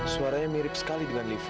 suaranya mirip sekali dengan liv